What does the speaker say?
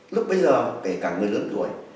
lúc bây giờ kể cả người lớn tuổi